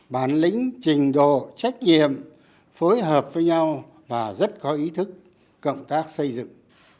bản lĩnh trình độ trách nhiệm phối hợp với nhau và rất có ý thức cộng tác xây dựng